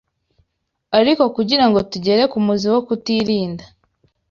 Ariko kugira ngo tugere ku muzi wo kutirinda